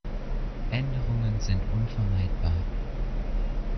Änderungen sind unvermeidbar.